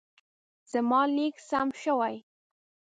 زما لیک سم شوی.